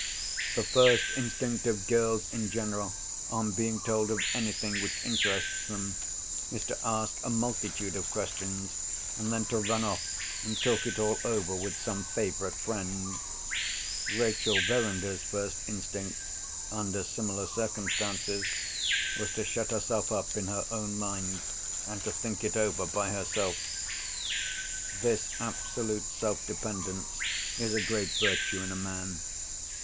The first instinct of girls in general, on being told of anything which interests them, is to ask a multitude of questions, and then to run off, and talk it all over with some favourite friend. Rachel Verinder's first instinct, under similar circumstances, was to shut herself up in her own mind, and to think it over by herself. This absolute self dependence is a great virtue in a man.